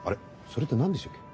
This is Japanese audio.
それって何でしたっけ？